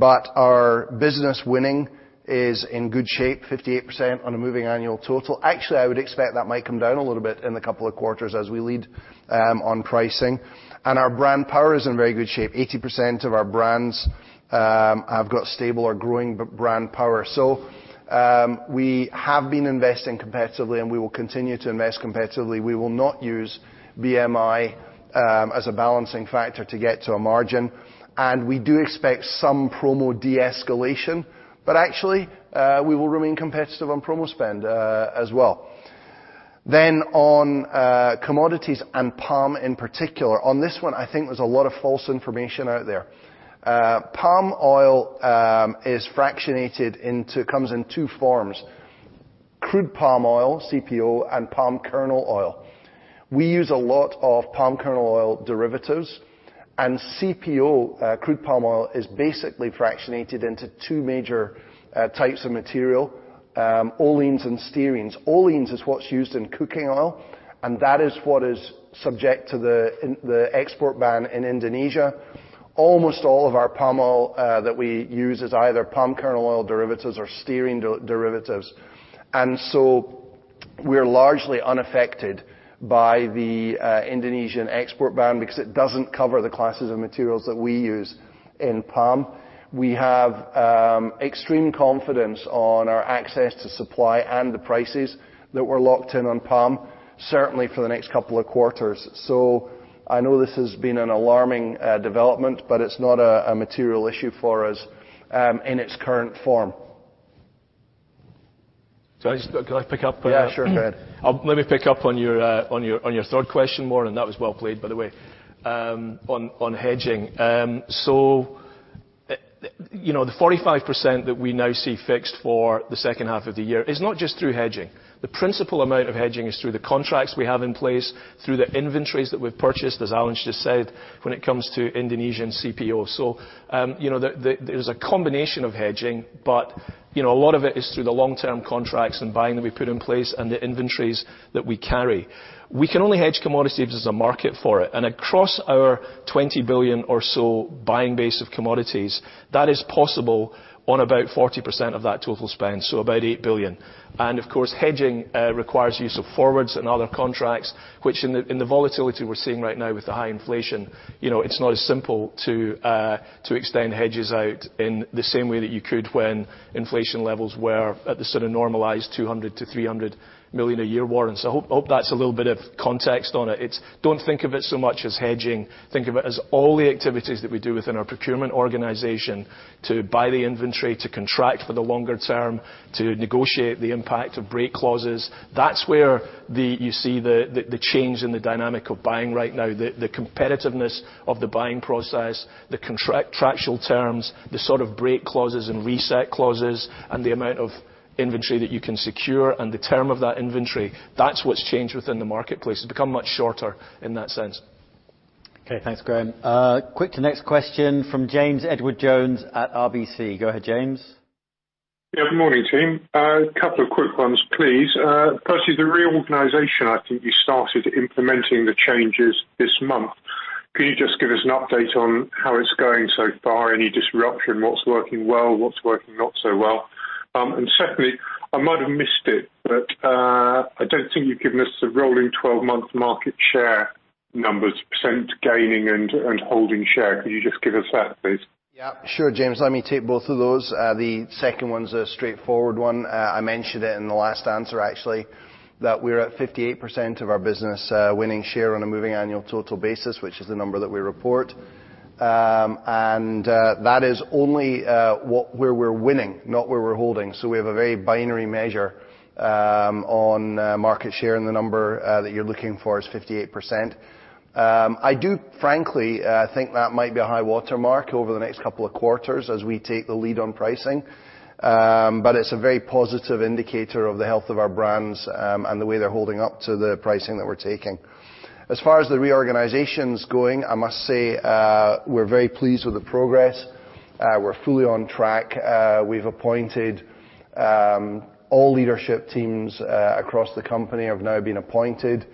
B: Our business winning is in good shape, 58% on a moving annual total. Actually, I would expect that might come down a little bit in a couple of quarters as we lead on pricing. Our brand power is in very good shape. 80% of our brands have got stable or growing brand power. We have been investing competitively, and we will continue to invest competitively. We will not use BMI as a balancing factor to get to a margin. We do expect some promo de-escalation, but actually, we will remain competitive on promo spend as well. On commodities and palm in particular. On this one, I think there's a lot of false information out there. Palm oil comes in two forms: crude palm oil, CPO, and palm kernel oil. We use a lot of palm kernel oil derivatives, and CPO, crude palm oil, is basically fractionated into two major types of material, oleins and stearins. Oleins is what's used in cooking oil, and that is what is subject to the export ban in Indonesia. Almost all of our palm oil that we use is either palm kernel oil derivatives or stearin derivatives. We're largely unaffected by the Indonesian export ban because it doesn't cover the classes of materials that we use in palm. We have extreme confidence on our access to supply and the prices that we're locked in on palm, certainly for the next couple of quarters. I know this has been an alarming development, but it's not a material issue for us in its current form.
C: Can I pick up on that?
B: Yeah, sure. Go ahead.
C: Let me pick up on your third question, Warren. That was well played, by the way. On hedging. You know, the 45% that we now see fixed for the second half of the year is not just through hedging. The principal amount of hedging is through the contracts we have in place, through the inventories that we've purchased, as Alan's just said, when it comes to Indonesian CPO. You know, there's a combination of hedging, but, you know, a lot of it is through the long-term contracts and buying that we put in place and the inventories that we carry. We can only hedge commodities as a market for it. Across our 20 billion or so buying base of commodities, that is possible on about 40% of that total spend, so about 8 billion. Of course, hedging requires use of forwards and other contracts, which in the volatility we're seeing right now with the high inflation, you know, it's not as simple to extend hedges out in the same way that you could when inflation levels were at the sort of normalized 200 million- 300 million a year warrants. Hope that's a little bit of context on it. Don't think of it so much as hedging, think of it as all the activities that we do within our procurement organization to buy the inventory, to contract for the longer term, to negotiate the impact of break clauses. That's where you see the change in the dynamic of buying right now. The competitiveness of the buying process, the contract, contractual terms, the sort of break clauses and reset clauses, and the amount of inventory that you can secure and the term of that inventory, that's what's changed within the marketplace. It's become much shorter in that sense.
A: Okay. Thanks, Graeme. Quick to next question from James Edwardes Jones at RBC. Go ahead, James.
G: Yeah. Good morning, team. A couple of quick ones, please. First is the reorganization. I think you started implementing the changes this month. Can you just give us an update on how it's going so far? Any disruption, what's working well, what's working not so well? Secondly, I might have missed it, but I don't think you've given us the rolling 12-month market share numbers, percent gaining and holding share. Could you just give us that, please?
B: Yeah. Sure, James, let me take both of those. The second one's a straightforward one. I mentioned it in the last answer actually, that we're at 58% of our business, winning share on a moving annual total basis, which is the number that we report. That is only where we're winning, not where we're holding. We have a very binary measure on market share, and the number that you're looking for is 58%. I do frankly think that might be a high watermark over the next couple of quarters as we take the lead on pricing. It's a very positive indicator of the health of our brands, and the way they're holding up to the pricing that we're taking. As far as the reorganization's going, I must say, we're very pleased with the progress. We're fully on track. We've appointed all leadership teams across the company have now been appointed.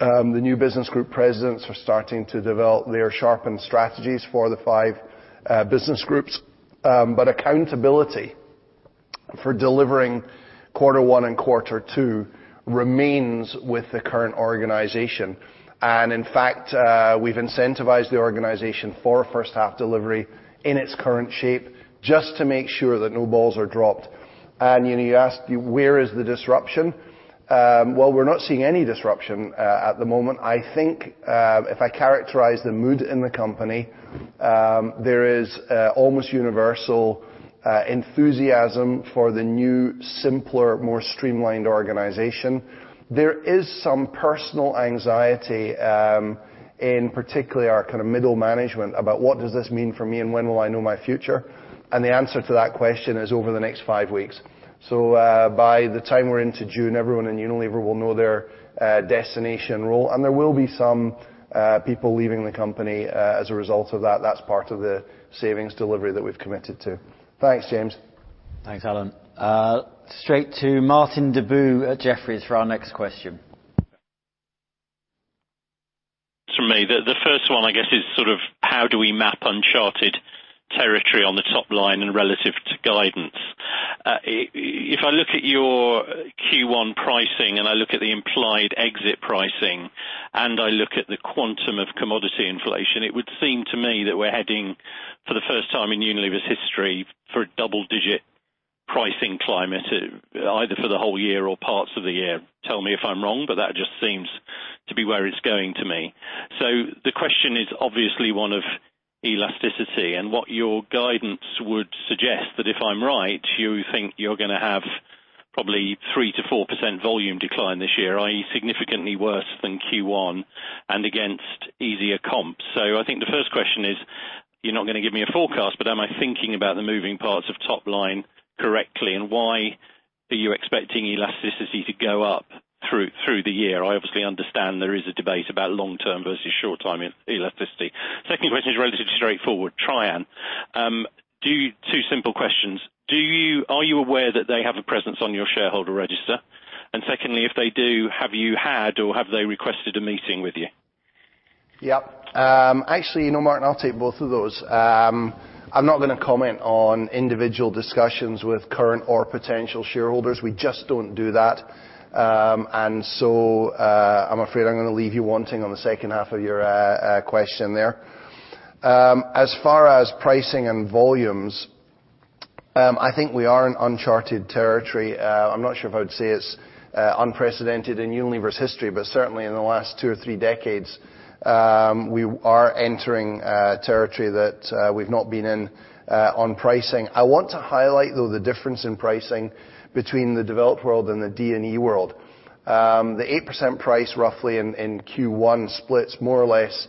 B: The new business group presidents are starting to develop their sharpened strategies for the five business groups. But accountability for delivering quarter one and quarter two remains with the current organization. In fact, we've incentivized the organization for first half delivery in its current shape just to make sure that no balls are dropped. You know, you asked where is the disruption? Well, we're not seeing any disruption at the moment. I think, if I characterize the mood in the company, there is almost universal enthusiasm for the new, simpler, more streamlined organization. There is some personal anxiety in particularly our kind of middle management about what does this mean for me and when will I know my future? The answer to that question is over the next five weeks. By the time we're into June, everyone in Unilever will know their destination role. There will be some people leaving the company as a result of that. That's part of the savings delivery that we've committed to. Thanks, James.
A: Thanks, Alan. Straight to Martin Deboo at Jefferies for our next question.
H: For me, the first one I guess is sort of how do we map uncharted territory on the top line and relative to guidance? If I look at your Q1 pricing, and I look at the implied exit pricing, and I look at the quantum of commodity inflation, it would seem to me that we're heading, for the first time in Unilever's history, for a double-digit pricing climate either for the whole year or parts of the year. Tell me if I'm wrong, but that just seems to be where it's going to me. The question is obviously one of elasticity and what your guidance would suggest that if I'm right, you think you're gonna have probably 3%-4% volume decline this year, are you significantly worse than Q1 and against easier comps? I think the first question is, you're not gonna give me a forecast, but am I thinking about the moving parts of top line correctly, and why are you expecting elasticity to go up through the year? I obviously understand there is a debate about long-term versus short-term in elasticity. Second question is relatively straightforward, Trian. Two simple questions. Are you aware that they have a presence on your shareholder register? And secondly, if they do, have you had or have they requested a meeting with you?
B: Yeah. Actually, you know, Martin, I'll take both of those. I'm not gonna comment on individual discussions with current or potential shareholders. We just don't do that. I'm afraid I'm gonna leave you wanting on the second half of your question there. As far as pricing and volumes, I think we are in uncharted territory. I'm not sure if I'd say it's unprecedented in Unilever's history, but certainly in the last two or three decades, we are entering territory that we've not been in on pricing. I want to highlight, though, the difference in pricing between the developed world and the D&E world. The 8% price roughly in Q1 splits more or less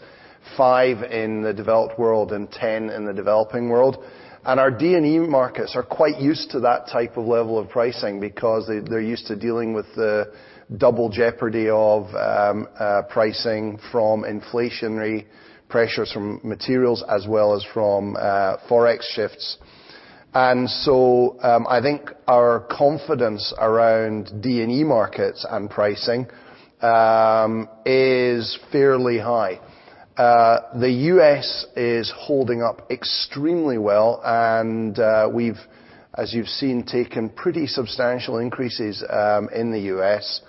B: 5% in the developed world and 10% in the developing world. Our D&E markets are quite used to that type of level of pricing because they're used to dealing with the double jeopardy of pricing from inflationary pressures from materials as well as from Forex shifts. I think our confidence around D&E markets and pricing is fairly high. The U.S. is holding up extremely well and we've, as you've seen, taken pretty substantial increases in the U.S.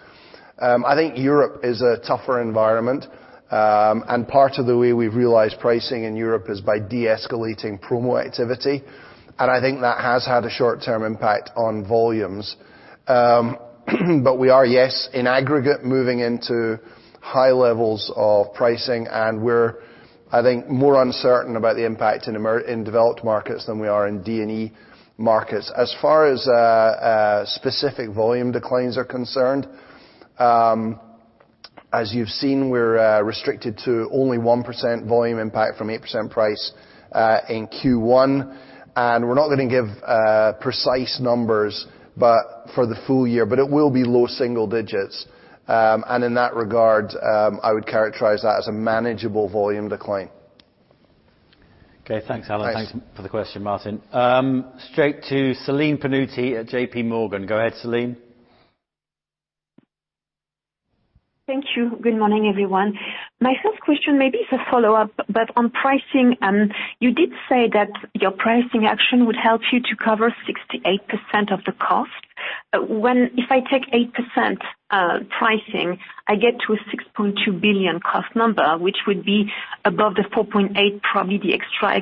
B: I think Europe is a tougher environment. Part of the way we realize pricing in Europe is by deescalating promo activity. I think that has had a short-term impact on volumes. We are, yes, in aggregate, moving into high levels of pricing and we're, I think, more uncertain about the impact in developed markets than we are in D&E markets. As far as specific volume declines are concerned, as you've seen, we're restricted to only 1% volume impact from 8% price in Q1. We're not gonna give precise numbers, but for the full year, it will be low single digits. In that regard, I would characterize that as a manageable volume decline.
H: Okay, thanks, Alan.
B: Thanks.
A: Thanks for the question, Martin. Straight to Celine Pannuti at JPMorgan. Go ahead, Celine.
I: Thank you. Good morning, everyone. My first question may be it's a follow-up, but on pricing, you did say that your pricing action would help you to cover 68% of the cost. If I take 8% pricing, I get to a 6.2 billion cost number, which would be above the 4.8 billion, probably the extra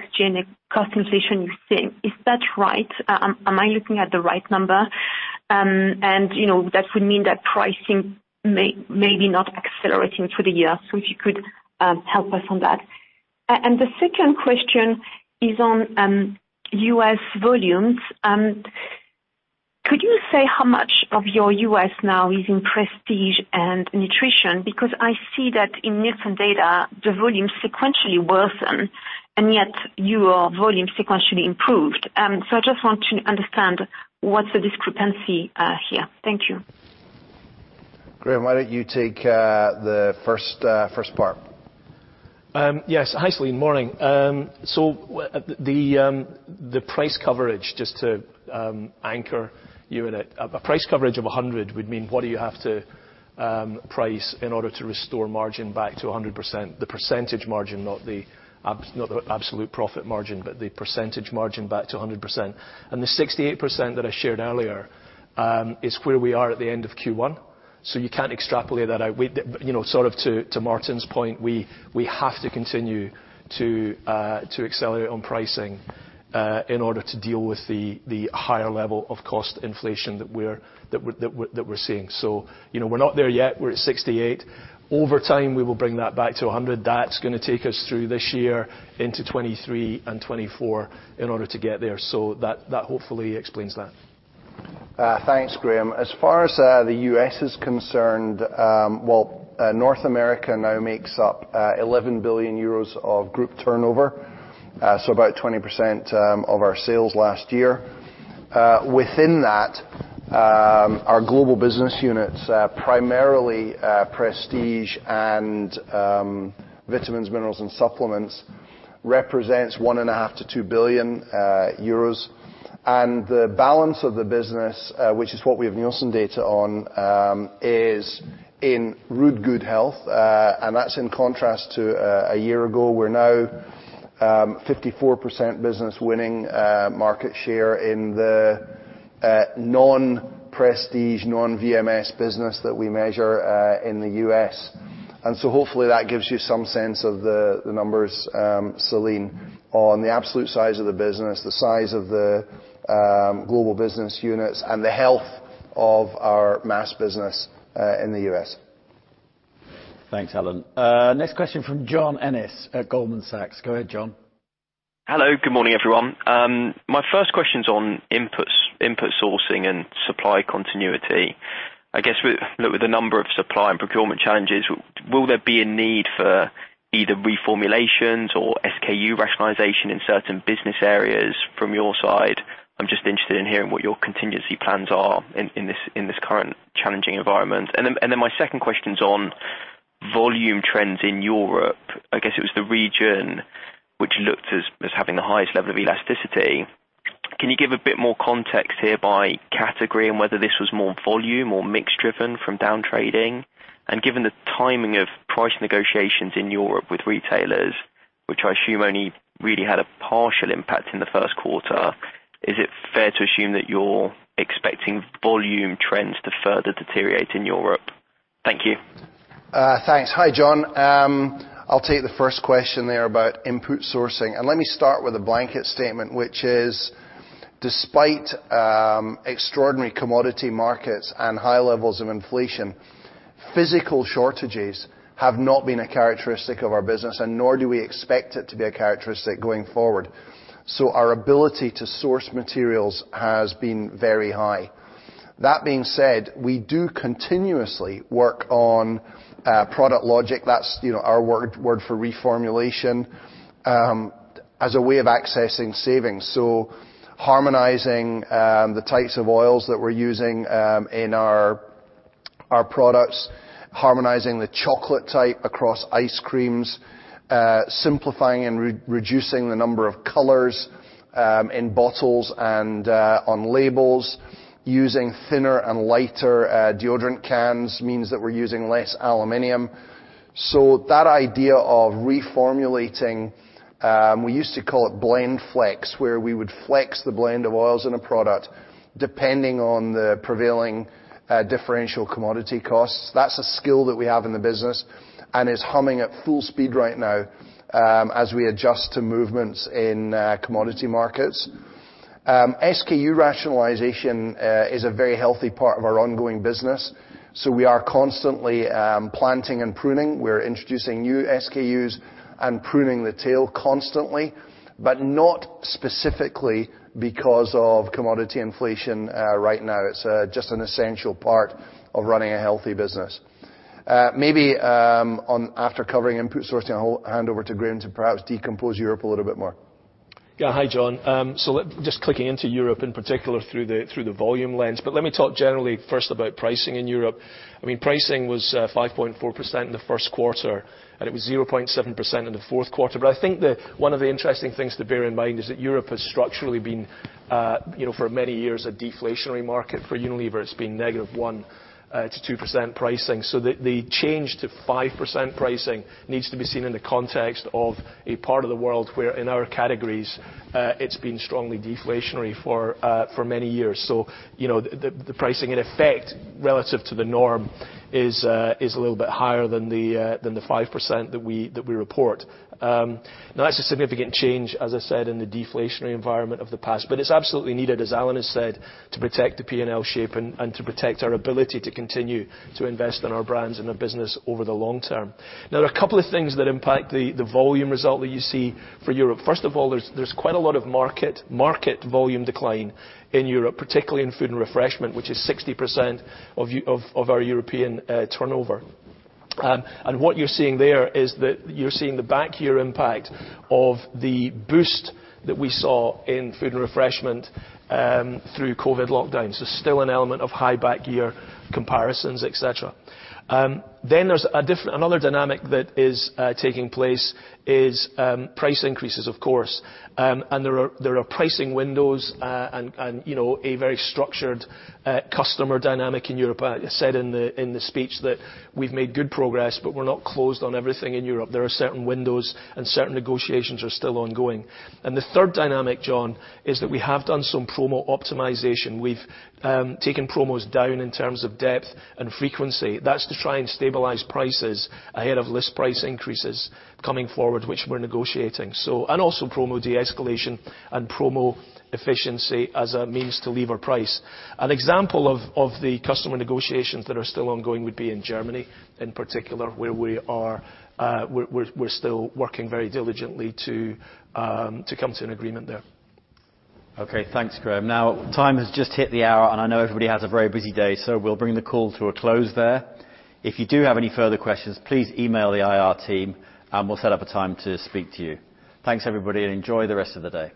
I: cost inflation you're seeing. Is that right? Am I looking at the right number? You know, that would mean that pricing may be not accelerating through the year. If you could help us on that. The second question is on U.S. volumes. Could you say how much of your U.S. now is in Prestige and Nutrition? Because I see that in Nielsen data, the volume sequentially worsen, and yet your volume sequentially improved. I just want to understand what's the discrepancy here. Thank you.
B: Graeme, why don't you take the first part?
C: Yes. Hi, Celine. Morning. The price coverage, just to anchor you in it, a price coverage of 100 would mean what do you have to price in order to restore margin back to 100%? The percentage margin, not the absolute profit margin, but the percentage margin back to 100%. The 68% that I shared earlier is where we are at the end of Q1. You can't extrapolate that out. We, you know, sort of to Martin's point, we have to continue to accelerate on pricing in order to deal with the higher level of cost inflation that we're seeing. You know, we're not there yet. We're at 68%. Over time, we will bring that back to 100%. That's gonna take us through this year into 2023 and 2024 in order to get there. That hopefully explains that.
B: Thanks, Graeme. As far as the U.S. is concerned, well, North America now makes up 11 billion euros of group turnover, so about 20% of our sales last year. Within that, our global business units, primarily Prestige and vitamins, minerals, and supplements, represents 1.5 billion-2 billion euros. The balance of the business, which is what we have Nielsen data on, is in rude good health, and that's in contrast to a year ago. We're now 54% business winning market share in the non-Prestige, non-VMS business that we measure in the U.S. Hopefully that gives you some sense of the numbers, Celine, on the absolute size of the business, the size of the global business units, and the health of our mass business in the U.S.
A: Thanks, Alan. Next question from John Ennis at Goldman Sachs. Go ahead, John.
J: Hello. Good morning, everyone. My first question's on inputs, input sourcing and supply continuity. I guess with the number of supply and procurement challenges, will there be a need for either reformulations or SKU rationalization in certain business areas from your side? I'm just interested in hearing what your contingency plans are in this current challenging environment. My second question is on volume trends in Europe. I guess it was the region which looked as having the highest level of elasticity. Can you give a bit more context here by category and whether this was more volume or mix driven from down trading? Given the timing of price negotiations in Europe with retailers, which I assume only really had a partial impact in the first quarter, is it fair to assume that you're expecting volume trends to further deteriorate in Europe? Thank you.
B: Thanks. Hi, John. I'll take the first question there about input sourcing. Let me start with a blanket statement, which is despite extraordinary commodity markets and high levels of inflation, physical shortages have not been a characteristic of our business, and nor do we expect it to be a characteristic going forward. Our ability to source materials has been very high. That being said, we do continuously work on product logic. That's, you know, our word for reformulation as a way of accessing savings. Harmonizing the types of oils that we're using in our products, harmonizing the chocolate type across ice creams, simplifying and re-reducing the number of colors in bottles and on labels, using thinner and lighter deodorant cans means that we're using less aluminum. That idea of reformulating, we used to call it blend flex, where we would flex the blend of oils in a product depending on the prevailing, differential commodity costs. That's a skill that we have in the business and is humming at full speed right now, as we adjust to movements in, commodity markets. SKU rationalization is a very healthy part of our ongoing business, so we are constantly planting and pruning. We're introducing new SKUs and pruning the tail constantly, but not specifically because of commodity inflation, right now. It's just an essential part of running a healthy business. Maybe, after covering input sourcing, I'll hand over to Graeme to perhaps decompose Europe a little bit more.
C: Yeah. Hi, John. So just clicking into Europe in particular through the volume lens, but let me talk generally first about pricing in Europe. I mean, pricing was 5.4% in the first quarter, and it was 0.7% in the fourth quarter. But I think one of the interesting things to bear in mind is that Europe has structurally been, you know, for many years, a deflationary market. For Unilever, it's been negative one to 2% pricing. So the change to 5% pricing needs to be seen in the context of a part of the world where, in our categories, it's been strongly deflationary for many years. You know, the pricing in effect relative to the norm is a little bit higher than the 5% that we report. Now that's a significant change, as I said, in the deflationary environment of the past, but it's absolutely needed, as Alan has said, to protect the P&L shape and to protect our ability to continue to invest in our brands and our business over the long term. Now there are a couple of things that impact the volume result that you see for Europe. First of all, there's quite a lot of market volume decline in Europe, particularly in food and refreshment, which is 60% of our European turnover. What you're seeing there is that you're seeing the back year impact of the boost that we saw in food and refreshment through COVID lockdowns. Still an element of high back year comparisons, et cetera. There's another dynamic that is taking place is price increases, of course. There are pricing windows, you know, a very structured customer dynamic in Europe. I said in the speech that we've made good progress, but we're not closed on everything in Europe. There are certain windows and certain negotiations are still ongoing. The third dynamic, John, is that we have done some promo optimization. We've taken promos down in terms of depth and frequency. That's to try and stabilize prices ahead of list price increases coming forward, which we're negotiating. Also promo de-escalation and promo efficiency as a means to leverage price. An example of the customer negotiations that are still ongoing would be in Germany in particular, where we're still working very diligently to come to an agreement there.
B: Okay. Thanks, Graeme. Now time has just hit the hour, and I know everybody has a very busy day, so we'll bring the call to a close there. If you do have any further questions, please email the IR team, and we'll set up a time to speak to you. Thanks, everybody, and enjoy the rest of the day.